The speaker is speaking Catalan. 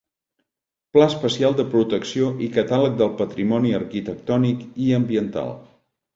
Pla especial de protecció i catàleg del patrimoni arquitectònic i ambiental.